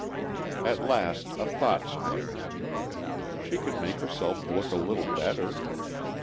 At last a thought struck her. She could make herself look a little better!